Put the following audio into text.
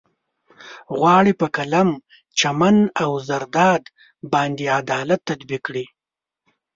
غواړي په قلم، چمن او زرداد باندې عدالت تطبيق کړي.